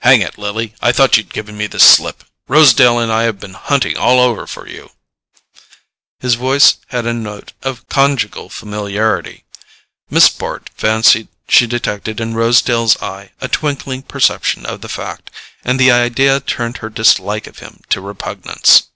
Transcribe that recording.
"Hang it, Lily, I thought you'd given me the slip: Rosedale and I have been hunting all over for you!" His voice had a note of conjugal familiarity: Miss Bart fancied she detected in Rosedale's eye a twinkling perception of the fact, and the idea turned her dislike of him to repugnance.